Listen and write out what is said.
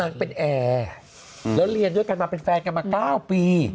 เป็นแอร์แล้วเรียนด้วยกันมาเป็นแฟนกันมา๙ปี